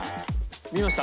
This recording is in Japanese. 見ました？